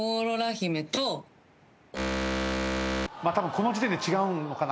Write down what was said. この時点で違うのかな？